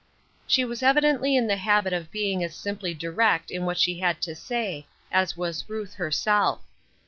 She was evidently in the habit of being as simply direct in what she had to say as was Ruth herself.